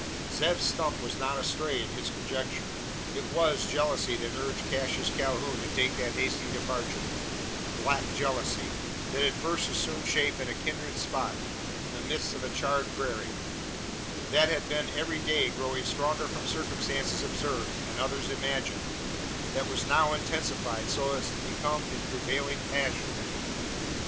Zeb Stump was not astray in his conjecture. It was jealousy that urged Cassius Calhoun to take that hasty departure black jealousy, that had first assumed shape in a kindred spot in the midst of a charred prairie; that had been every day growing stronger from circumstances observed, and others imagined; that was now intensified so as to have become his prevailing passion.